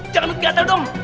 jangan dikatel dong